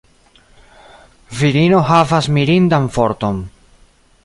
Virino havas mirindan forton.